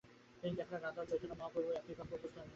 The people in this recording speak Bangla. তিনি দেখালেন রাধা ও চৈতন্য মহাপ্রভুরও একই ভাব উপস্থিত হয়েছিল।